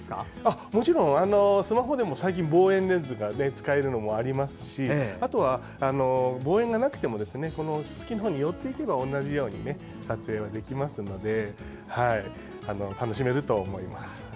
スマホでも最近望遠レンズが使えるものもありますしあとは、望遠がなくてもススキの方に寄っていけば同じように撮影はできますので楽しめると思います。